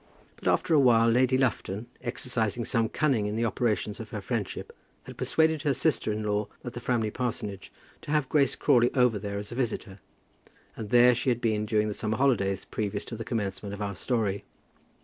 But after a while, Lady Lufton, exercising some cunning in the operations of her friendship, had persuaded her sister in law at the Framley parsonage to have Grace Crawley over there as a visitor, and there she had been during the summer holidays previous to the commencement of our story.